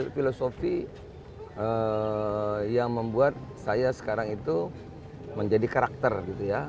filosofi yang membuat saya sekarang itu menjadi karakter gitu ya